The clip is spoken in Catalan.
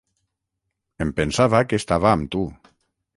Em pensava que estava amb tu.